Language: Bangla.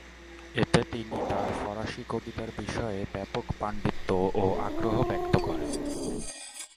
এতে তিনি তার ফরাসি কবিতার বিষয়ে ব্যাপক পাণ্ডিত্য ও আগ্রহ ব্যক্ত করেন।